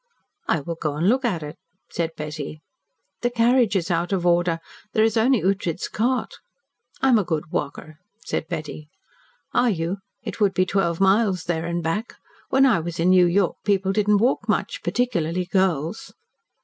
"I will go and look at it," said Betty. "The carriage is out of order. There is only Ughtred's cart." "I am a good walker," said Betty. "Are you? It would be twelve miles there and back. When I was in New York people didn't walk much, particularly girls."